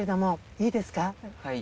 いいです。